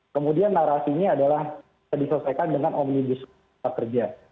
kemudian narasinya adalah diselesaikan dengan omnibus pekerjaan